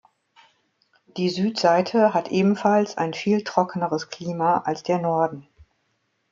Die Südseite hat ebenfalls ein viel trockeneres Klima als der Norden.